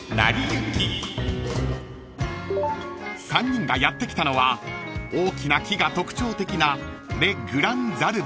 ［３人がやって来たのは大きな木が特徴的な］